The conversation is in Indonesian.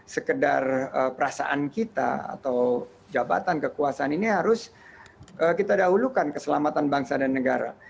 sekedar perasaan kita atau jabatan kekuasaan ini harus kita dahulukan keselamatan bangsa dan negara